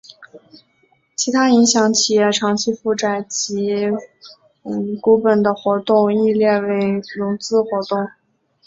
其他影响企业长期负债及股本的活动亦列为融资活动。